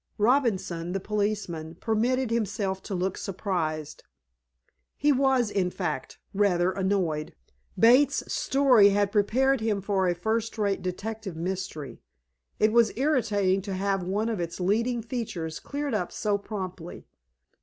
Robinson, the policeman, permitted himself to look surprised. He was, in fact, rather annoyed. Bates's story had prepared him for a first rate detective mystery. It was irritating to have one of its leading features cleared up so promptly.